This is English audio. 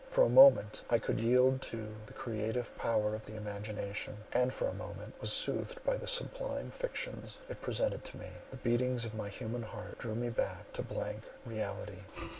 For a moment I could yield to the creative power of the imagination, and for a moment was soothed by the sublime fictions it presented to me. The beatings of my human heart drew me back to blank reality.